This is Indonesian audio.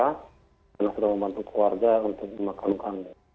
karena sudah membantu keluarga untuk dimakamkan